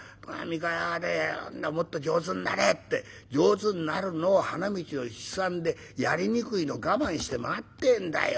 三河屋はねもっと上手になれって上手んなるのを花道を七三でやりにくいの我慢して待ってんだよ。